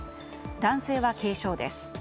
男性は軽傷です。